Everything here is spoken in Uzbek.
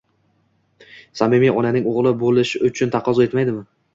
samimiy onaning o'g'li bo'lish shuni taqozo etmaydimi?